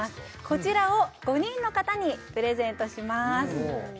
こちらを５人の方にプレゼントします